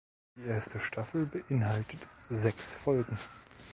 Die erste Staffel beinhaltet sechs Folgen.